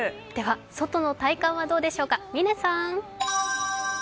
外の体感はどうでしょうか。